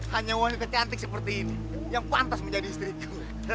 hanya wanita cantik seperti ini yang pantas menjadi istriku